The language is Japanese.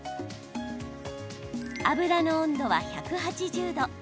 油の温度は１８０度。